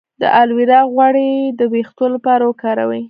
د الوویرا غوړي د ویښتو لپاره وکاروئ